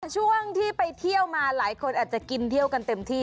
ช่วงที่ไปเที่ยวมาหลายคนอาจจะกินเที่ยวกันเต็มที่